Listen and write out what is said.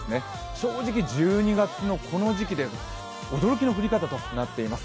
正直、１２月のこの時期で驚きの降り方となっています。